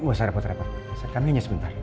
bisa repot repot kami hanya sebentar